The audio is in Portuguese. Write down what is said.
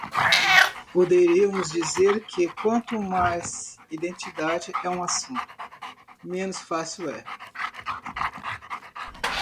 Poderíamos dizer que quanto mais "identidade" é um assunto, menos fácil é.